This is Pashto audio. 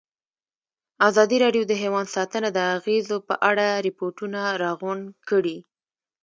ازادي راډیو د حیوان ساتنه د اغېزو په اړه ریپوټونه راغونډ کړي.